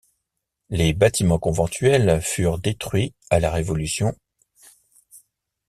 Les bâtiments conventuels furent détruits à la Révolution.